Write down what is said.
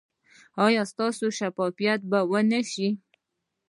ایا ستاسو شفاعت به و نه شي؟